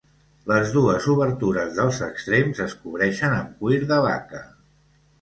Les dues obertures dels extrems es cobreixen amb cuir de vaca.